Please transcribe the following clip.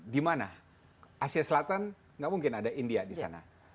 di mana asia selatan nggak mungkin ada india di sana